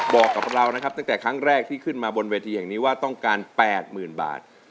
บอกกับเรานะครับตั้งแต่ครั้งแรกที่ขึ้นมาบนเวทีแห่งนี้ว่าต้องการ๘๐๐๐บาท